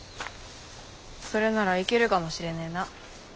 それならいけるかもしれねえな。